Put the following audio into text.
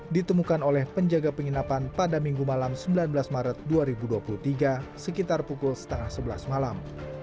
ditemukan oleh penjaga penginapan pada minggu malam sembilan belas maret dua ribu dua puluh tiga sekitar pukul setengah sebelas malam